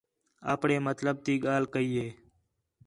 آپݨے مطلب تی ڳالھ کَئی ہے